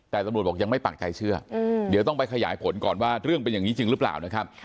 แต่ตำรวจบอกยังไม่ปากใจเชื่อเดี๋ยวต้องไปขยายผลก่อนว่าเรื่องเป็นอย่างนี้จริงหรือเปล่านะครับ